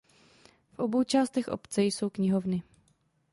V obou částech obce jsou knihovny.